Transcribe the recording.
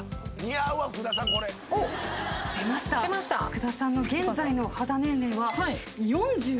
福田さんの現在の肌年齢は。